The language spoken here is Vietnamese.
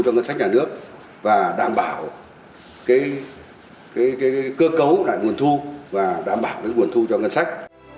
cho ngân sách nhà nước và đảm bảo cơ cấu lại nguồn thu và đảm bảo nguồn thu cho ngân sách